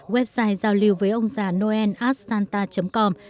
website giao lưu với ông già noel at santa com